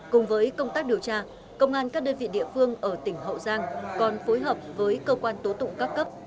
cùng với công tác điều tra công an các đơn vị địa phương ở tỉnh hậu giang còn phối hợp với cơ quan tố tụng các cấp